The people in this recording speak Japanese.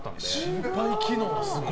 心肺機能すごい。